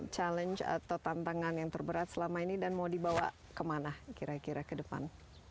challenge atau tantangan yang terberat selama ini dan mau dibawa kemana kira kira ke depan